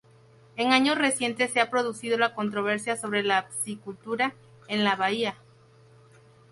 En años recientes se ha producido la controversia sobre la piscicultura en la bahía.